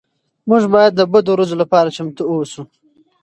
موږ باید د بدو ورځو لپاره چمتو اوسو.